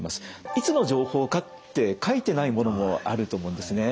いつの情報かって書いてないものもあると思うんですね。